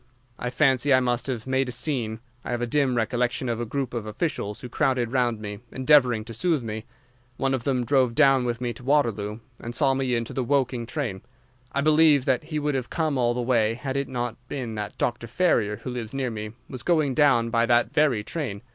I fancy I must have made a scene. I have a dim recollection of a group of officials who crowded round me, endeavouring to soothe me. One of them drove down with me to Waterloo, and saw me into the Woking train. I believe that he would have come all the way had it not been that Dr. Ferrier, who lives near me, was going down by that very train.